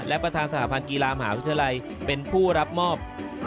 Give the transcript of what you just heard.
และประธานสหพันธ์กีฬามหาวิทยาลัยเป็นผู้รับมอบ